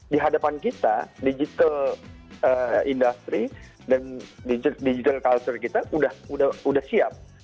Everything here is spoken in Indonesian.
di hadapan kita digital industry dan digital culture kita sudah siap